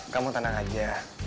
kamu tenang aja